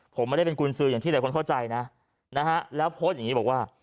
ผมไม่ได้เป็นกุญสืออย่างที่หลายคนเข้าใจนะนะฮะแล้วโพสต์อย่างนี้บอกว่า